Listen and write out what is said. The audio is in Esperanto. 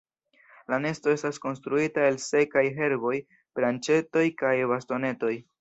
La nesto estas konstruita el sekaj herboj, branĉetoj kaj bastonetoj.